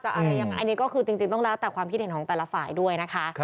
อันนี้ก็ต้องแล้วแต่ความคิดเห็นของแต่ละฝ่ายด้วย